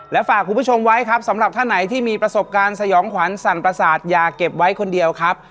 และฝากคุณผู้ชมไว้ครับสำหรับท่านไหนที่มีประสบการณ์สยองขวัญสั่นประสาทอย่าเก็บไว้คนเดียวครับ